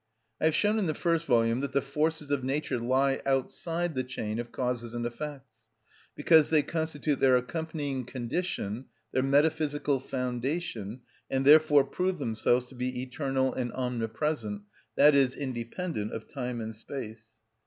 I have shown in the first volume that the forces of nature lie outside the chain of causes and effects, because they constitute their accompanying condition, their metaphysical foundation, and therefore prove themselves to be eternal and omnipresent, i.e., independent of time and space.